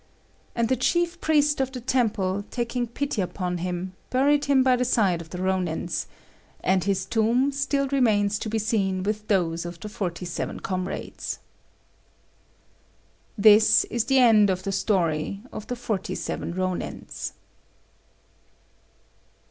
And the chief priest of the temple, taking pity upon him, buried him by the side of the Rônins; and his tomb still remains to be seen with those of the forty seven comrades. This is the end of the story of the forty seven Rônins.